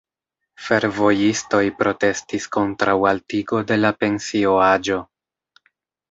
Fervojistoj protestis kontraŭ altigo de la pensio-aĝo.